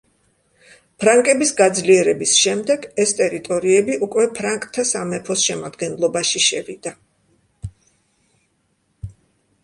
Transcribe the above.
ფრანკების გაძლიერების შემდეგ ეს ტერიტორიები უკვე ფრანკთა სამეფოს შემადგენლობაში შევიდა.